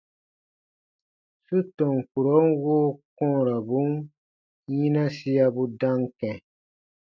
Su tɔn kurɔn woo kɔ̃ɔrabun yinasiabu dam kɛ̃.